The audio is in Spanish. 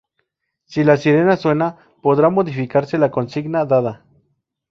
Si la sirena suena, podrá modificarse la consigna dada.